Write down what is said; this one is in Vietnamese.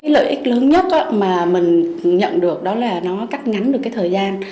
lợi ích lớn nhất mà mình nhận được đó là nó cắt ngắn được cái thời gian